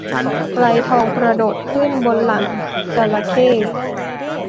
ไกรทองกระโดดขึ้นบนหลังจระเข้